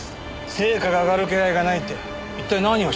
成果が上がる気配がないって一体何を証拠に？